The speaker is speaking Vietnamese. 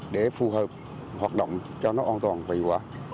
để phù hợp hoạt động cho nó an toàn tùy quả